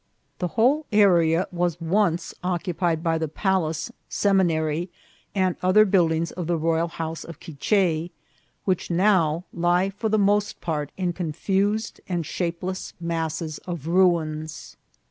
The whole area was once occupied by the palace, seminary, and other buildings of the royal house of Qui che, which now lie for the most part in confused and shapeless masses of ruins.